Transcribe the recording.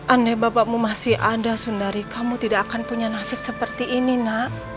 aneh bapakmu masih ada sundari kamu tidak akan punya nasib seperti ini nak